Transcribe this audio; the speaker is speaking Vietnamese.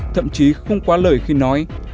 thậm chí không quá lời khi nói